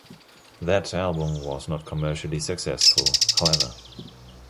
That album was not commercially successful, however.